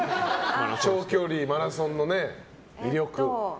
長距離、マラソンの魅力。